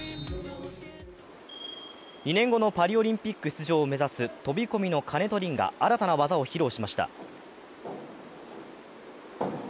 ２年後のパリオリンピック出場を目指す飛び込みの金戸凜が、新たな技を披露しました。